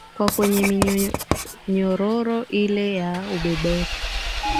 kwa kwenye minyororo ile ya ubeberu